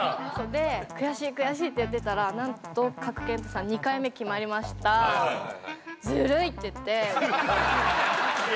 で悔しい悔しいって言ってたら何と賀来賢人さん２回目決まりました「ずるい」って言ってずるい